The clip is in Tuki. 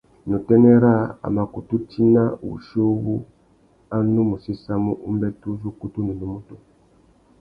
Nà utênê râā, a mà kutu tina wuchi uwú a nu mù séssamú umbêtê uzu ukutu nà unúmútú.